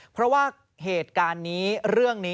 เพราะว่าเหตุการณ์นี้เรื่องนี้